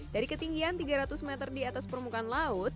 dari ketinggian tiga ratus meter di atas permukaan laut